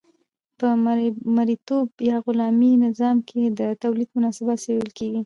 په مرئیتوب یا غلامي نظام کې د تولید مناسبات څیړل کیږي.